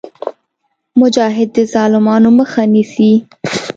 مجاهد د ظالمانو مخه نیسي.